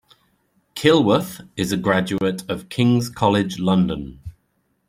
Kilworth is a graduate of King's College London.